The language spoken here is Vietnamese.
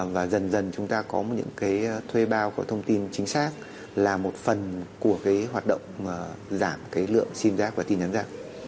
và dần dần chúng ta có những cái thuê bao có thông tin chính xác là một phần của cái hoạt động giảm cái lượng sim giác và tin nhắn rác